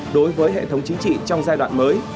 đối với hệ thống chính trị trong giai đoạn mới